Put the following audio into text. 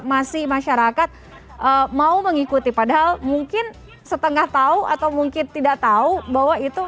masih masyarakat mau mengikuti padahal mungkin setengah tahu atau mungkin tidak tahu bahwa itu